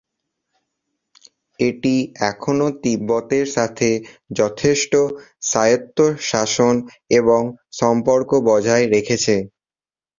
এটি এখনও তিব্বতের সাথে যথেষ্ট স্বায়ত্তশাসন এবং সম্পর্ক বজায় রেখেছে।